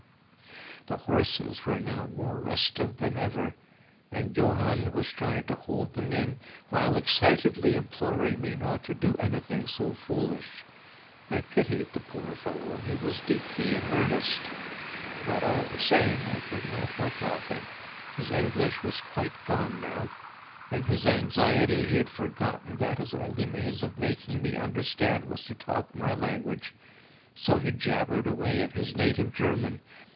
The horses were now more restive than ever, and Johann was trying to hold them in, while excitedly imploring me not to do anything so foolish. I pitied the poor fellow, he was deeply in earnest; but all the same I could not help laughing. His English was quite gone now. In his anxiety he had forgotten that his only means of making me understand was to talk my language, so he jabbered away in his native German.